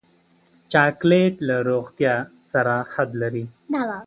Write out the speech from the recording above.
چاکلېټ له روغتیا سره حد لري.